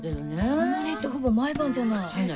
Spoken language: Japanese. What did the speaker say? たまにってほぼ毎晩じゃない！